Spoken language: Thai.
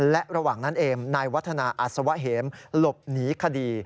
และระหว่างนั้นเองนายวัฒนาอัศวะเหมหลบหนีคดี